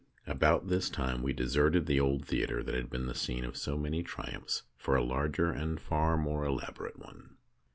About this time we deserted the old theatre that had been the scene of so many triumphs for a larger and far more elaborate one.